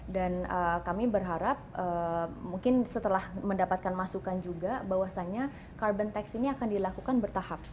dan kami berharap mungkin setelah mendapatkan masukan juga bahwasannya carbon tax ini akan dilakukan bertahap